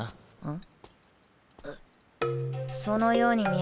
ん？